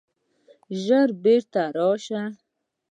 ژر بیرته راسه!